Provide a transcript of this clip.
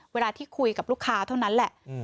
เวลาที่คุยกับลูกค้าเท่านั้นแหละ